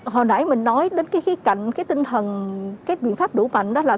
hồi nãy mình nói đến cái khía cạnh cái tinh thần cái biện pháp đủ mạnh đó là